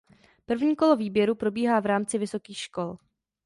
První kolo výběru probíhá v rámci vysokých škol.